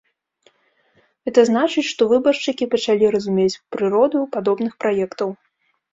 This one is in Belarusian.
Гэта значыць, што выбаршчыкі пачалі разумець прыроду падобных праектаў.